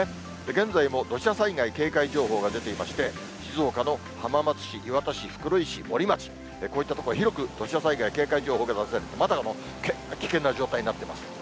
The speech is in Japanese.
現在も土砂災害警戒情報が出ていまして、静岡の浜松市、磐田市、袋井市、森町、こういった所、広く土砂災害警戒情報が出されて、まだ危険な状態になっています。